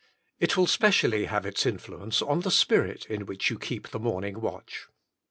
It will specially have its influence on the Spirit in which you keep the morning watch.